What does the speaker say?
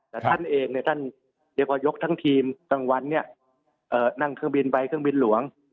แต่ท่านเองเนี่ยท่านเรียกว่ายกทั้งทีมกลางวันเนี่ยนั่งเครื่องบินไปเครื่องบินหลวง